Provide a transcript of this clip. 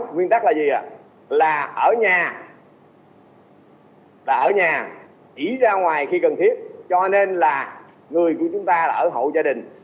nguyên tắc là ở nhà chỉ ra ngoài khi cần thiết cho nên là người của chúng ta ở hộ gia đình